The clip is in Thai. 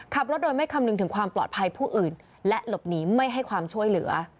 ขับรถโดยไม่คำนึงถึงความปลอดภัยผู้อื่นและหลบหนีไม่ให้ความช่วยเหลือ